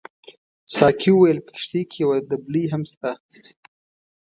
ساقي وویل په کښتۍ کې یو دبلۍ هم شته.